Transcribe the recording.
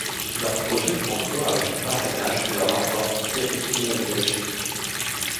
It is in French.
Leur projet prend corps avec le parrainage que leur apporte Éric-Emmanuel Schmitt.